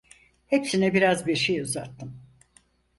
Hepsine biraz bir şey uzattım.